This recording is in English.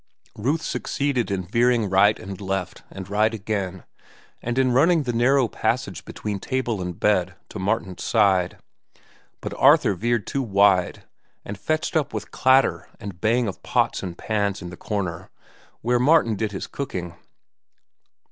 Ruth succeeded in veering right and left and right again, and in running the narrow passage between table and bed to Martin's side; but Arthur veered too wide and fetched up with clatter and bang of pots and pans in the corner where Martin did his cooking.